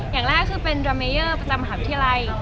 อย่างแรกคือเป็นดราเมเยอร์ประจำมหาวิทยาลัย